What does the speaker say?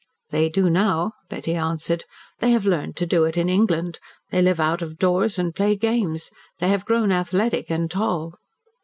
"They do now," Betty answered. "They have learned to do it in England. They live out of doors and play games. They have grown athletic and tall."